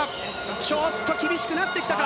ちょっと厳しくなってきたか。